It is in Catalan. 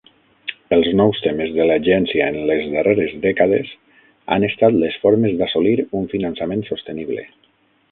Els nous temes de l"agència en les darreres dècades han estat les formes d"assolir un finançament sostenible.